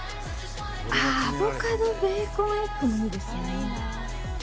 あー、アボカドベーコンエッグもいいですね。